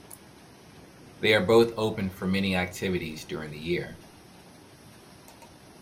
They are both open for many activities during the year.